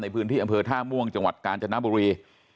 ในพื้นที่อำเภอท่าม่วงจังหวัดกาญจนบุรี